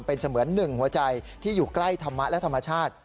เป็นเสมือนหนึ่งหัวใจที่อยู่ใกล้ธรรมะและธรรมชาติ